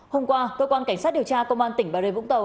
hôm qua cơ quan cảnh sát điều tra công an tỉnh bà rê vũng tàu